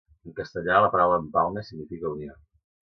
En castellà, la paraula "empalme" significa "unió".